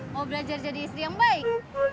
mau belajar jadi istri yang baik